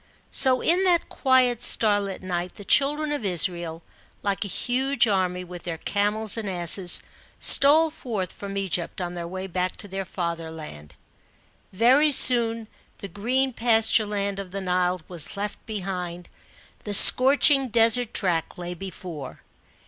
So in that quiet starlit night, the children of Israel, like a huge army, with their camels and asses, stole forth from Egypt, on their way back to their fatherland. Very soon the green pasture land of the Nile was left behind ; the scorching desert track lay before.